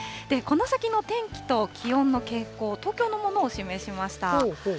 この先の天気と気温の傾向、東京のものを示しました。